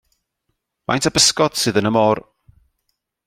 Faint o bysgod sydd yn y môr?